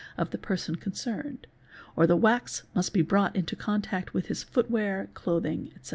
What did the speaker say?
of the person concerned, or the wax must be brought into contact with his _ footwear, clothes, etc.